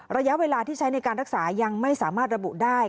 ระยะเวลาที่ใช้ในการรักษายังไม่สามารถระบุได้